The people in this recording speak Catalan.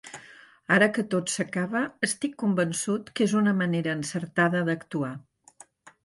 Ara que tot s'acaba estic convençut que és una manera encertada d'actuar.